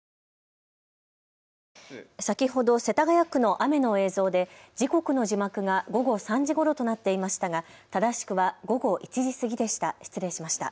先ほど世田谷区の雨の映像で時刻の字幕が午後３時ごろとなっていましたが正しくは午後１時過ぎでした。